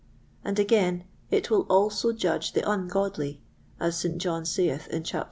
And again, it will also judge the ungodly, as St. John saith in chap.